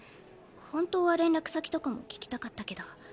本当は連絡先とかも聞きたかったけど。